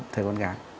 thời con gái